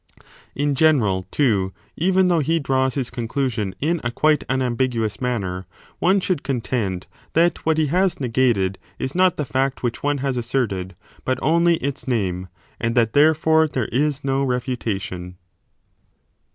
In general, too, even though he draws his conclusion in a quite unambiguous manner, one should contend that what he has negated is not the fact which one has asserted but only its name; and that therefore there is no refutation.